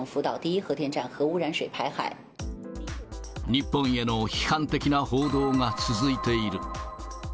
日本への批判的な報道が続いている。